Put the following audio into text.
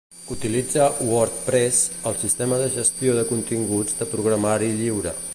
Utilitza WordPress, el sistema de gestió de continguts de programari lliure.